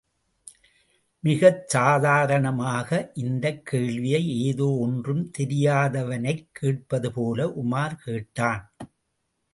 மிகச் சாதாரணமாக இந்தக் கேள்வியை, ஏதோ ஒன்றும் தெரியாதவனைக் கேட்பது போல உமார் கேட்டான்.